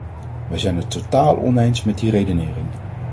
Wij zijn het totaal oneens met die redenering.